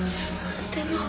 でも。